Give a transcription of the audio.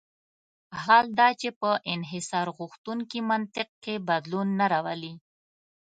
حال دا چې په انحصارغوښتونکي منطق کې بدلون نه راولي.